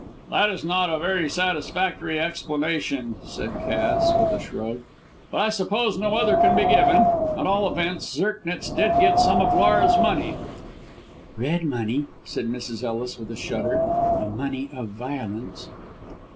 "That is not a very satisfactory explanation," said Cass, with a shrug. "But I suppose no other can be given. At all events, Zirknitz did get some of Laura's money." "Red money," said Mrs. Ellis, with a shudder; "the money of violence!"